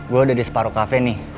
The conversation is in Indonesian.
gue udah di separuh kafe nih